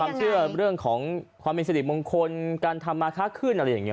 เชื่อเรื่องของความเป็นสิริมงคลการทำมาค้าขึ้นอะไรอย่างนี้